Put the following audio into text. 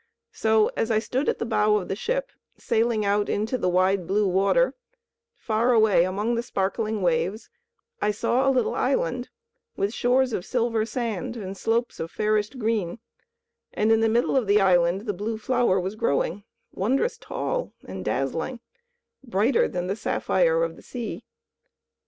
So as I stood at the bow of the ship, sailing out into the wide blue water, far away among the sparkling waves I saw a little island, with shores of silver sand and slopes of fairest green, and in the middle of the island the Blue Flower was growing, wondrous tall and dazzling, brighter than the sapphire of the sea.